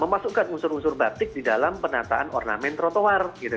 memasukkan unsur unsur batik di dalam penataan ornamen trotoar gitu